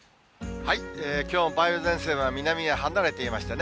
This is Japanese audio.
きょうも梅雨前線は南へ離れていましたね。